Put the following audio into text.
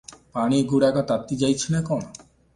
ପାଣିଗୁଡ଼ାକ ତାତିଯାଇଛି ନା କଣ?